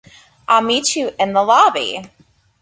I'll meet you in the lobby.